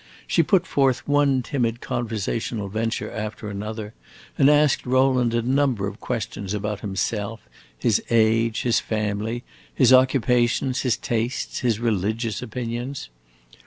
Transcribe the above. She put forth one timid conversational venture after another, and asked Rowland a number of questions about himself, his age, his family, his occupations, his tastes, his religious opinions.